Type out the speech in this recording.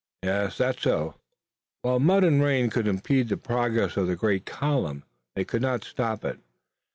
"Yes, that's so." While mud and rain could impede the progress of the great column they could not stop it.